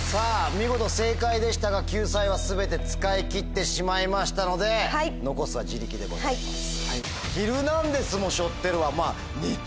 見事正解でしたが救済は全て使い切ってしまいましたので残すは自力でございます。も背負ってるわ。